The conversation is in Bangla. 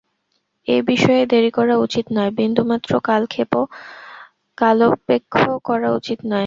এ বিষয়ে দেরী করা উচিত নয়, বিন্দুমাত্র কালপেক্ষ করা উচিত নয়।